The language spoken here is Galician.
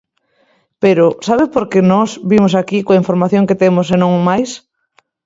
Pero ¿sabe por que nós vimos aquí coa información que temos e non máis?